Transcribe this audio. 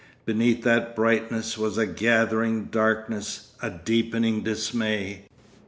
Beneath that brightness was a gathering darkness, a deepening dismay.